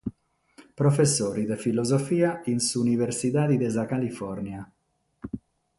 Professore de Filosofia in s’Universidade de sa Califòrnia.